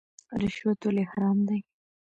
رشوت ولې حرام دی؟